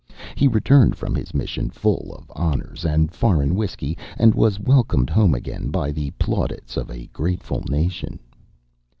He returned from his mission full of honors and foreign whisky, and was welcomed home again by the plaudits of a grateful nation.